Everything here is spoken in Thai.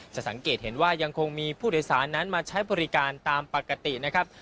สังเกตเห็นว่ายังคงมีผู้โดยสารนั้นมาใช้บริการตามปกตินะครับ